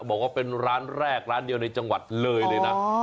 บอกว่าเป็นร้านแรกร้านเดียวในจังหวัดเลยเลยนะ